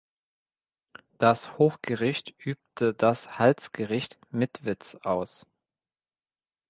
Das Hochgericht übte das Halsgericht Mitwitz aus.